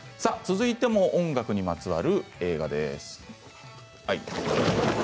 続いても音楽にまつわる映画です。